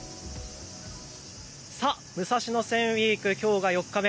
武蔵野線ウイーク、きょうが４日目。